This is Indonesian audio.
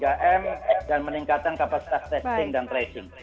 kembali ke kapasitas testing dan tracing